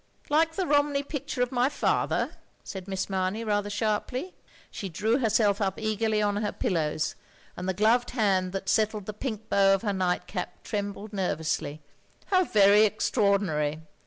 " Like the Romney picture of my father, " said Miss Mamey, rather sharply. She drew herself up eagerly on her pillows, and the gloved hand OF GROSVENOR SQUARE 19 that settled the pink bow of her night cap, trembled nervously. "How very extraordinary!